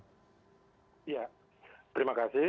iya terima kasih